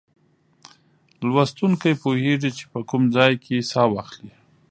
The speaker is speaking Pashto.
لوستونکی پوهیږي چې په کوم ځای کې سا واخلي.